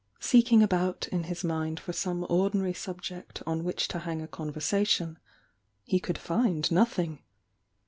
Seeking about in his mind for some ordmary subject on which to hang aron versation, he could find nothing.